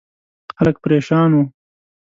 خلک پرېشان وو.